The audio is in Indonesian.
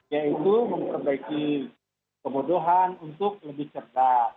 yaitu memperbaiki kebodohan untuk lebih cerdas